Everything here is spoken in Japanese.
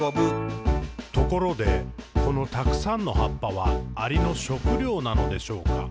「ところで、このたくさんの葉っぱは、アリの食料なのでしょうか？